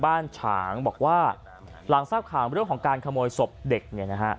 ฉางบอกว่าหลังทราบข่าวเรื่องของการขโมยศพเด็กเนี่ยนะฮะ